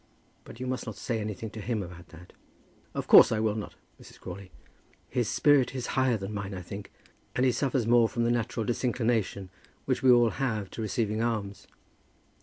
But you must not say anything to him about that." "Of course I will not, Mrs. Crawley." "His spirit is higher than mine, I think, and he suffers more from the natural disinclination which we all have to receiving alms.